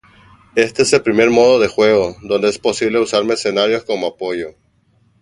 Este es el primer modo de juego donde es posible usar mercenarios como apoyo.